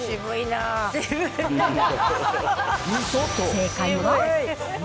正解は。